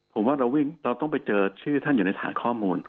ผมว่าเราวิ่งเราต้องไปเจอชื่อท่านอยู่ในฐานข้อมูล